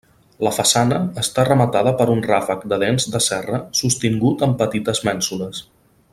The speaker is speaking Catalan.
La façana està rematada per un ràfec de dents de serra sostingut amb petites mènsules.